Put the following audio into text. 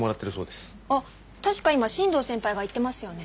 あっ確か今新藤先輩が行ってますよね？